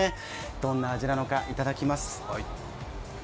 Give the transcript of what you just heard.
どんな味なのかいただきます。